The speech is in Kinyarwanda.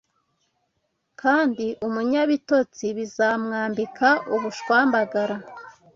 Kandi umunyabitotsi bizamwambika ubushwambagara